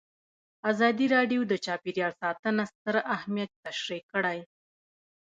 ازادي راډیو د چاپیریال ساتنه ستر اهميت تشریح کړی.